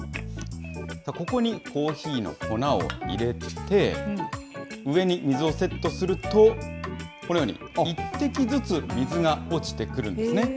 ここにコーヒーの粉を入れて、上に水をセットすると、このように一滴ずつ水が落ちてくるんですね。